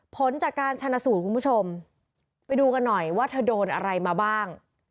ผลจากการชนะสูตรคุณผู้ชมไปดูกันหน่อยว่าเธอโดนอะไรมาบ้าง